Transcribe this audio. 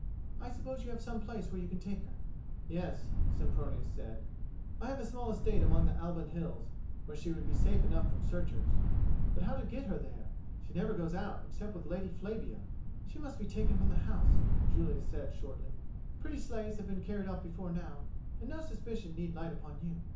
I suppose you have some place where you could take her?" "Yes," Sempronius said, "I have a small estate among the Alban Hills where she would be safe enough from searchers; but how to get her there? She never goes out except with Lady Flavia." "She must be taken from the house," Julia said shortly; "pretty slaves have been carried off before now, and no suspicion need light upon you.